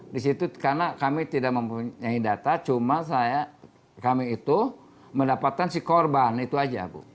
di situ karena kami tidak mempunyai data cuma saya kami itu mendapatkan si korban itu aja bu